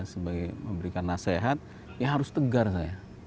sebagai memberikan nasihat ya harus tegar saya